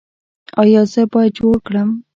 ایا زه باید جوړ کړم؟